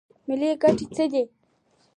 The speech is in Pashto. ملي ګټې څه دي؟